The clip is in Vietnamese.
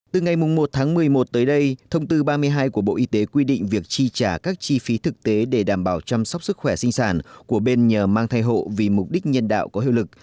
từ ngày một tháng một mươi một tới đây thông tư ba mươi hai của bộ y tế quy định việc chi trả các chi phí thực tế để đảm bảo chăm sóc sức khỏe sinh sản của bên nhờ mang thai hộ vì mục đích nhân đạo có hiệu lực